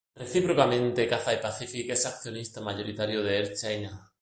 Recíprocamente, Cathay Pacific es accionista mayoritario de Air China.